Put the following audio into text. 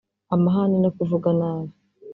amahane no kuvuga nabi